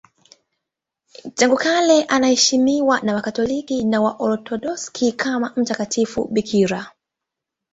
Tangu kale anaheshimiwa na Wakatoliki na Waorthodoksi kama mtakatifu bikira.